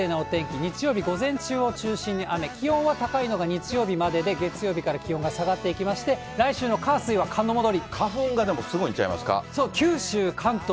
日曜日、午前中を中心に雨、気温は高いのが日曜日までで、月曜日から気温が下がっていきまして、来週の火、水は寒の戻り。